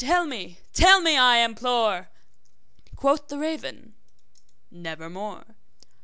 tell me tell me, I implore!' Quoth the raven, `Nevermore.'